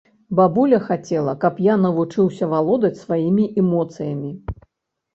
Бабуля хацела, каб я навучыўся валодаць сваімі эмоцыямі.